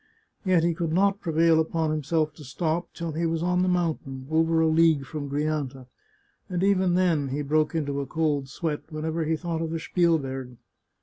Yet he could not prevail upon him self to stop till he was on the mountain, over a league from Grianta, and even then he broke into a cold sweat, when ever he thought of the Spielberg.